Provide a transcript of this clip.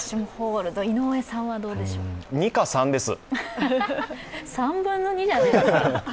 ２か３です。